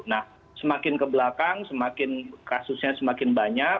nah semakin kebelakang semakin kasusnya semakin banyak